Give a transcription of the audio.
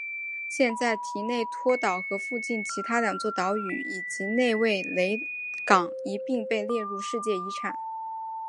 现在提内托岛和附近的其他两座岛屿以及韦内雷港一并被列入世界文化遗产。